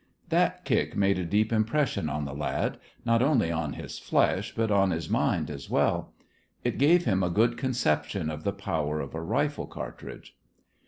That kick made a deep impression on the lad, not only on his flesh but on his mind as well. It gave him a good conception of the power of a rifle cartridge.